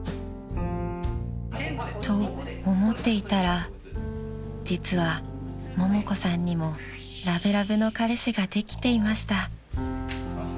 ［と思っていたら実はももこさんにもラブラブの彼氏ができていました］